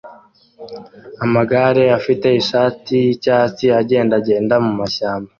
Amagare afite ishati yicyatsi agendagenda mumashyamba